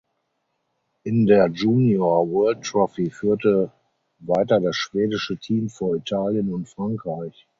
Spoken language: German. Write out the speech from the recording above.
In der Junior World Trophy führte weiter das schwedische Team vor Italien und Frankreich.